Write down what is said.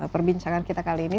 perbincangan kita kali ini